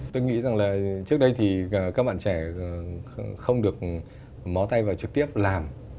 tôi nghĩ rằng là trước đây thì các bạn trẻ không được mó tay vào trực tiếp làm